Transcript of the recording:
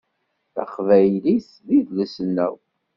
Taqbaylit d idles-nneɣ.